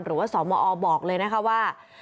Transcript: หรือว่าสมอบอกเลยนะครับว่า